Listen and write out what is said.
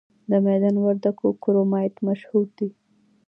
د میدان وردګو کرومایټ مشهور دی؟